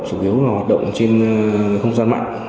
chủ yếu là hoạt động trên không gian mạng